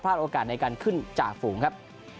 โอกาสในการขึ้นจากฝูงครับ